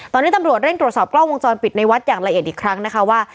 ตอนนี้ตำรวจเร่งตรวจสอบกล้องวงจรปิดในวัดอย่างละเอียดอีกครั้งนะคะว่า